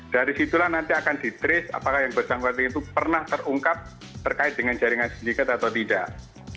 dari situlah nanti akan di trace apakah yang bersangkutan itu pernah terungkap terkait dengan jaringan sindikat atau tidak